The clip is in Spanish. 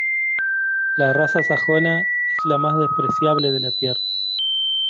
la raza sajona es la más despreciable de la tierra.